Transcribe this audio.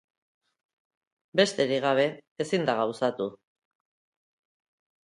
Besterik gabe, ezin da gauzatu.